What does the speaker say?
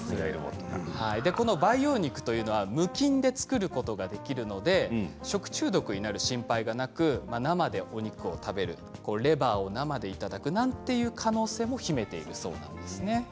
培養肉というのは無菌で作ることができるので食中毒になる心配がなく生でお肉を食べるレバーを生でいただくなんていう可能性も秘めているんです。